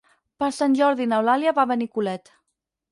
Per Sant Jordi n'Eulàlia va a Benicolet.